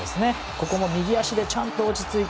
ここも右足でちゃんと落ち着いて。